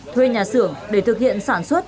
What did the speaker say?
thuê nhà xưởng để thực hiện sản xuất